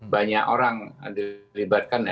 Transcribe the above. banyak orang yang dilibatkan